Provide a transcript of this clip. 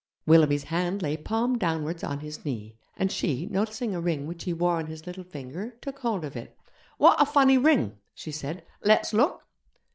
Willoughby's hand lay palm downwards on his knee, and she, noticing a ring which he wore on his little finger, took hold of it. 'What a funny ring!' she said; 'let's look?'